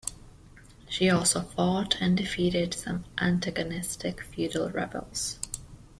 She also fought and defeated some antagonistic feudal rebels.